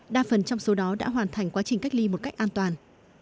đa phần trong số đó đã hoàn thành quá trình cách ly một cách an toàn